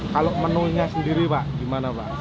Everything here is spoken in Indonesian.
kalau menunya sendiri pak gimana pak